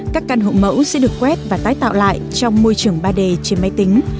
các căn hộ mẫu sẽ được quét và tái tạo lại trong môi trường ba d trên máy tính